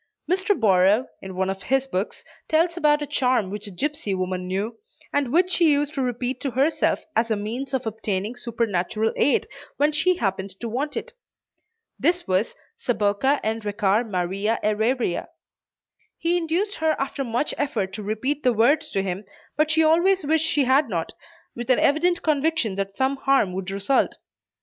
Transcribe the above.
Mr. Borrow, in one of his books, tells about a charm which a gipsy woman knew, and which she used to repeat to herself as a means of obtaining supernatural aid when she happened to want it. This was, "Saboca enrecar maria ereria." He induced her after much effort to repeat the words to him, but she always wished she had not, with an evident conviction that some harm would result.